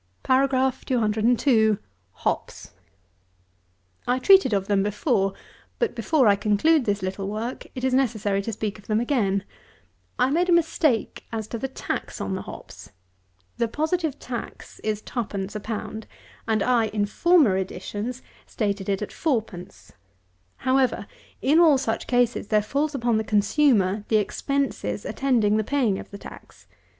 HOPS. 202. I treated of them before; but before I conclude this little Work, it is necessary to speak of them again. I made a mistake as to the tax on the Hops. The positive tax is 2_d._ a pound, and I (in former editions) stated it at 4_d._ However, in all such cases, there falls upon the consumer the expenses attending the paying of the tax.